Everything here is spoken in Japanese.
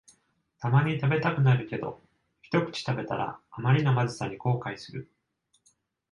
たまに食べたくなるけど、ひとくち食べたらあまりのまずさに後悔する